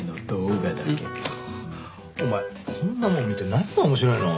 お前こんなもん見て何が面白いの？